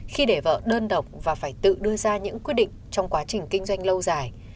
khi để vợ đơn độc và phải tự đưa ra những quyết định trong quá trình kinh doanh lâu dài